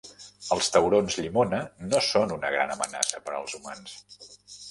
Els taurons llimona no són una gran amenaça per als humans.